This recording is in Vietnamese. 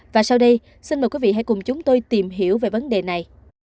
và sau đây xin mời quý vị hãy cùng chúng tôi tìm hiểu về vấn đề này